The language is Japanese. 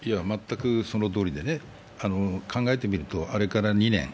全くそのとおりで考えてみるとあれから２年。